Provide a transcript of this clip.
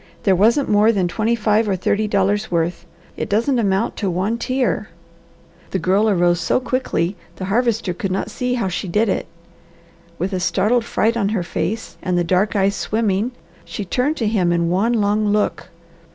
There wasn't more than twenty five or thirty dollars' worth. It doesn't amount to one tear." The girl arose so quickly, the Harvester could not see how she did it. With a startled fright on her face, and the dark eyes swimming, she turned to him in one long look.